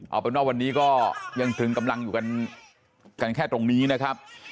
เอาเป็นว่าวันนี้ก็ยังตรึงกำลังอยู่กันแค่ตรงนี้นะครับ